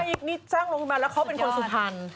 นี่สร้างโรงพยาบาลแล้วเขาเป็นคนสุพรรณ